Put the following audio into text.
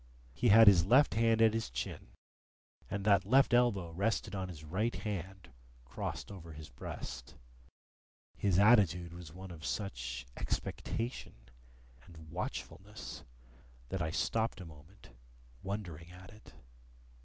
He had his left hand at his chin, and that left elbow rested on his right hand, crossed over his breast. His attitude was one of such expectation and watchfulness that I stopped a moment, wondering at it.